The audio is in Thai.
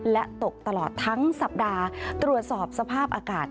และตกตลอดทั้งสัปดาห์ตรวจสอบสภาพอากาศ